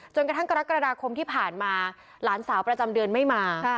กระทั่งกรกฎาคมที่ผ่านมาหลานสาวประจำเดือนไม่มา